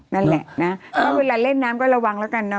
นั่นแหละนะเวลาเล่นน้ำก็ระวังแล้วกันเนอ